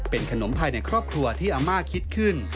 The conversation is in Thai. เป็นขนมภายในครอบครัวที่อาม่าคิดขึ้น